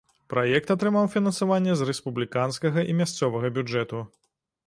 Праект атрымаў фінансаванне з рэспубліканскага і мясцовага бюджэту.